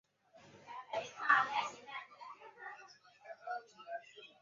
鼻端裸露。